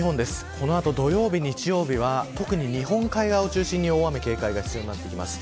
この後土曜日、日曜日は特に日本海側を中心に大雨に警戒が必要です。